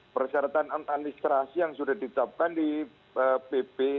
persyaratan administrasi yang sudah ditetapkan di pp